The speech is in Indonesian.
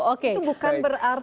itu bukan berarti